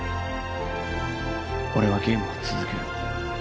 俺はゲームを続ける